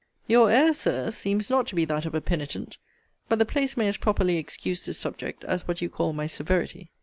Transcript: Your air, Sir, seems not to be that of a penitent. But the place may as properly excuse this subject, as what you call my severity.